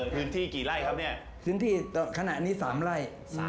พื้นที่กี่ไร่ครับเนี่ยพื้นที่ขณะนี้๓ไร่